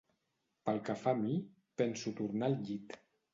Pel que fa a mi, penso tornar al llit.